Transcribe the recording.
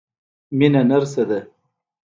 مينه نرسه ده.